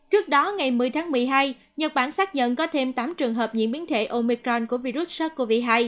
trước đó ngày một mươi tháng một mươi hai nhật bản xác nhận có thêm tám trường hợp nhiễm biến thể omicron của virus sars cov hai